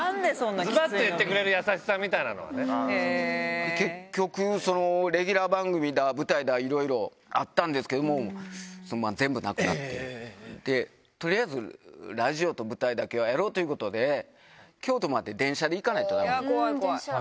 ずばっと言ってくれる優しさ結局、レギュラー番組だ、舞台だ、いろいろあったんですけど、全部なくなって、とりあえず、ラジオと舞台だけはやろうということで、京都まで電車で行かない怖い、怖い。